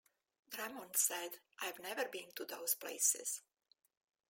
Drummond said I've never been to those places.